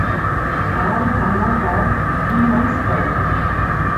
Para o Carnaval, vi mais pão.